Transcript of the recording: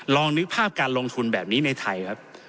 นึกภาพการลงทุนแบบนี้ในไทยครับ